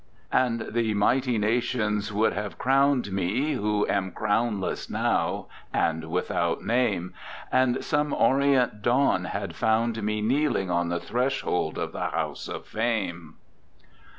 And the mighty nations would have crowned me, who am crownless now and without name, And some orient dawn had found me kneeling on the threshold of the House of Fame.